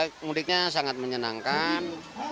perjalanan mudiknya sangat menyenangkan